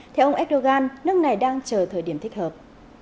theo ông erdogan nước này đang chờ thời điểm thích hợp